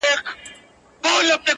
له دوا او له طبیب سره یې ژوند وو!!